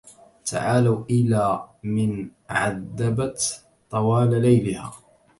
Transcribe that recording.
تعالوا إلى من عذبت طول ليلها